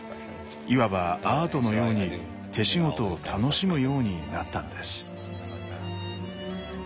いわばアートのように手仕事を楽しむようになったんです。